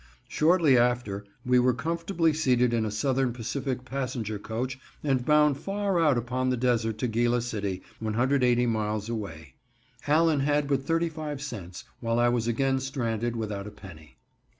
Shortly after, we were comfortably seated in a Southern Pacific passenger coach and bound far out upon the desert to Gila City, 180 miles away. Allen had but thirty five cents, while I was again stranded without a penny.